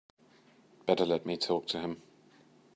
Better let me talk to him.